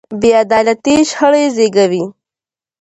بې عدالتي شخړې زېږوي.